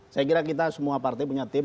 saya kira kita semua partai punya tim